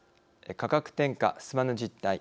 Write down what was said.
価格転嫁、進まぬ実態